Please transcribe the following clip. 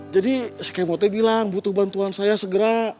jadi si kmt bilang butuh bantuan saya segera